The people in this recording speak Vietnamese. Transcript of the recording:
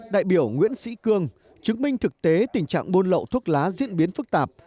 đại biểu nguyễn sĩ cương chứng minh thực tế tình trạng buôn lậu thuốc lá diễn biến phức tạp